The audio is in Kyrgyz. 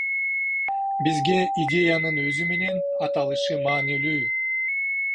Бизге идеянын өзү менен аталышы маанилүү.